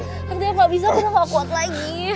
tentang aku gak bisa aku gak mau kuat lagi